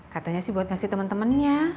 katanya sih buat ngasih temen temennya